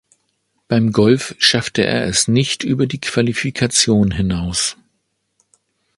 Beim Golf schaffte er es nicht über die Qualifikation hinaus.